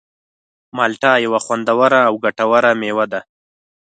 مالټه یوه خوندوره او ګټوره مېوه ده.